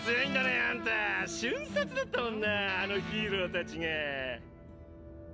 瞬殺だったもんなあのヒーローたちが。